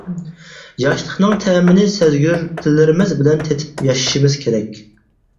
ياشلىقنىڭ تەمىنى سەزگۈر تىللىرىمىز بىلەن تېتىپ ياشىشىمىز كېرەك.